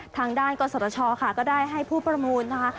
ทางด้านกศชค่ะก็ได้ให้ผู้ประมูลนะคะ